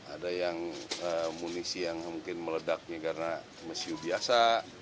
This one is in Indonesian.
ada yang munisi yang mungkin meledaknya karena mesiu biasa